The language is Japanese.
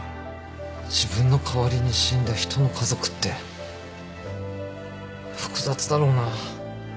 自分の代わりに死んだ人の家族って複雑だろうな。